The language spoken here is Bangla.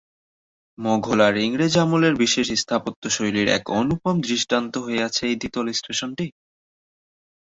মোঘল আর ইংরেজ আমলের বিশেষ স্থাপত্য শৈলীর এক অনুপম দৃষ্টান্ত হয়ে আছে এ দ্বিতল স্টেশনটি।